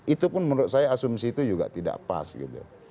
itu pun menurut saya asumsi itu juga tidak pas gitu